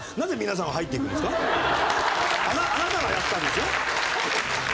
あなたがやったんですよ？